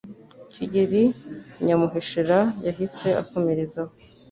Kigeli Nyamuheshera yahise akomerezaho